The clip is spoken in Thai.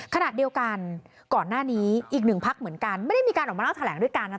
ขณะเดียวกันก่อนหน้านี้อีกหนึ่งพักเหมือนกันไม่ได้มีการออกมาเล่าแถลงด้วยกันนะ